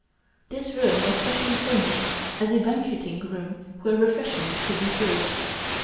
This room was specially furnished as a banqueting room where refreshments could be served.